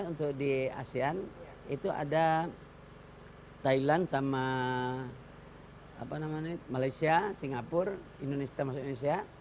untuk di asean itu ada thailand sama malaysia singapura indonesia masuk indonesia